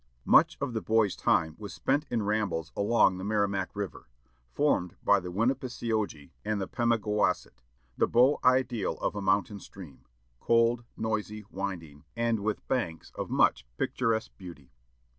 Much of the boy's time was spent in rambles along the Merrimac river, formed by the Winnipiseogee and the Pemigewasset, "the beau ideal of a mountain stream; cold, noisy, winding, and with banks of much picturesque beauty."